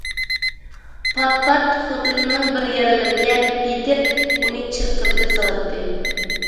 پات- پات خوتۇنىنىڭ بىر يەرلىرىگە پېتىپ، ئۇنى چىرقىرىتىپ سالاتتى.